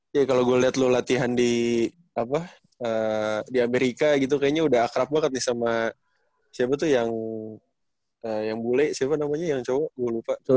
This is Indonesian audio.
ya kalo gue liat lu latihan di apa di amerika gitu kayaknya udah akrab banget nih sama siapa tuh yang yang bule siapa namanya yang cowok gue lupa